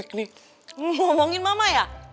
iu dengan seharian bersama reva